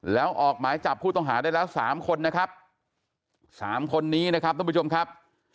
แล้วออกหมายจับผู้ต้องหาได้แล้วสามคนนะครับสามคนนี้นะครับท่านผู้ชมครับ